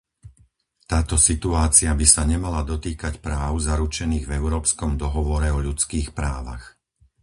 Táto situácia by sa nemala dotýkať práv zaručených v Európskom dohovore o ľudských právach.